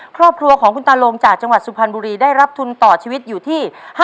ครอบครัวของคุณตาลงจากจังหวัดสุพรรณบุรีได้รับทุนต่อชีวิตอยู่ที่